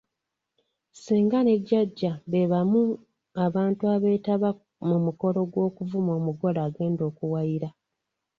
Ssenga ne Jjajja beebamu abantu abeetaba mu mukolo gw’okuvuma omugole agenda akuwayira.